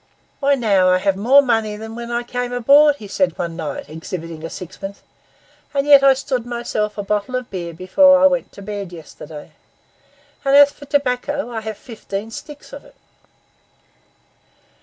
'Why, now I have more money than when I came on board,' he said one night, exhibiting a sixpence, 'and yet I stood myself a bottle of beer before I went to bed yesterday. And as for tobacco, I have fifteen sticks of it.